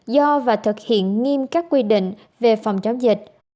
do và thực hiện nghiêm các quy định về phòng chống dịch